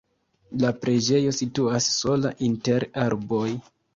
La preĝejo situas sola inter arboj.